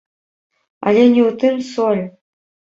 Але не ў тым соль.